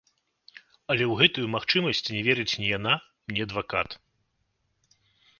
Але ў гэтую магчымасць не верыць ні яна, ні адвакат.